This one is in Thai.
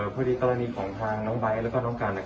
พอดีกรณีของทางน้องไบท์แล้วก็น้องกัน